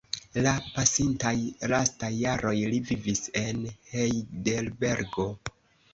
La pasintaj lastaj jaroj li vivis en Hejdelbergo.